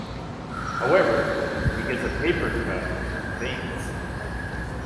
However, he gets a paper cut and faints.